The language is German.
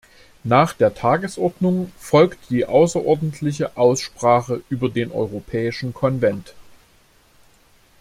Nach der Tagesordnung folgt die außerordentliche Aussprache über den Europäischen Konvent.